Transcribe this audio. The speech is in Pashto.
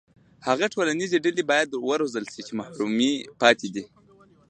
هغه ټولنیزې ډلې باید وروزل شي چې محرومې پاتې دي.